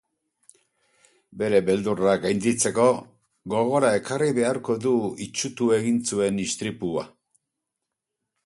Bere beldurrak gainditzeko, gogora ekarri beharko du itsutu egin zuen istripua.